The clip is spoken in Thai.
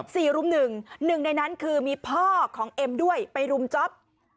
กลุ่มหนึ่งหนึ่งในนั้นคือมีพ่อของเอ็มด้วยไปรุมจ๊อป